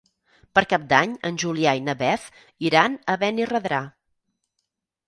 Per Cap d'Any en Julià i na Beth iran a Benirredrà.